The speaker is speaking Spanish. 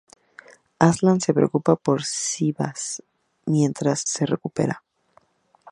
Aslan se preocupa por Sivas mientras se recupera.